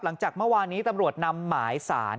หลังจากเมื่อวานนี้ตำรวจนำหมายสาร